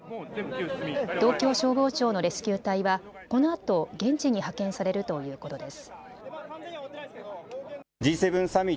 東京消防庁のレスキュー隊はこのあと現地に派遣されるということです。